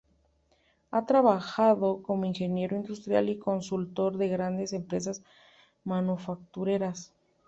Ha trabajado como ingeniero industrial y consultor de grandes empresas manufactureras.